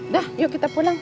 dah yuk kita pulang